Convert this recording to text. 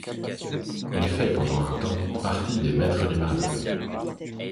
Il fait pendant un temps partie des Maîtres du mal.